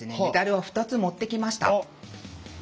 メダルを２つ持ってきました。